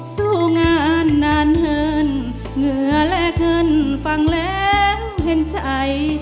สู้งานนานเหินเหงื่อแลกเงินฟังแล้วเห็นใจ